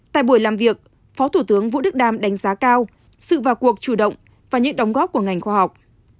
tại buổi làm việc phó thủ tướng vũ đức đam đánh giá cao sự vào cuộc chủ động và những đóng góp của ngành khoa học